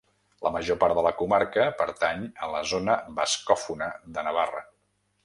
La major part de la comarca pertany a la zona bascòfona de Navarra.